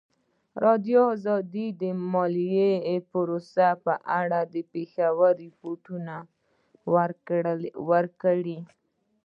ازادي راډیو د مالي پالیسي په اړه د پېښو رپوټونه ورکړي.